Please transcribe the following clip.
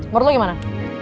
menurut lo gimana